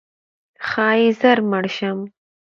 ښایي ژر مړ شم؛